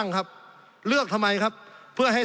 สงบจนจะตายหมดแล้วครับ